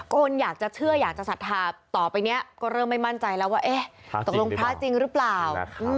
คนอยากจะเชื่ออยากจะศรัทธาต่อไปนี้ก็เริ่มไม่มั่นใจแล้วว่าเอ๊ะตกลงพระจริงหรือเปล่า